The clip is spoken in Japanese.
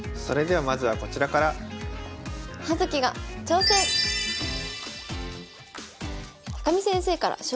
それではまずはこちらから。